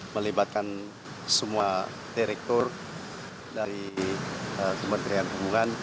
melibatkan semua direktur dari kementerian perhubungan